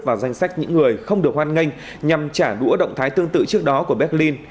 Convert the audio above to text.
vào danh sách những người không được hoan nghênh nhằm trả đũa động thái tương tự trước đó của berlin